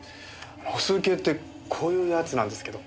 歩数計ってこういうやつなんですけど。